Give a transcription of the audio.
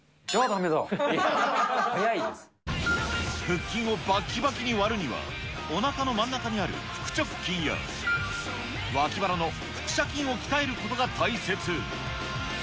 腹筋をばっきばきに割るには、おなかの真ん中にある腹直筋や、脇腹の腹斜筋を鍛えることが大切。